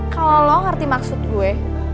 kalau lo ngerti maksud gue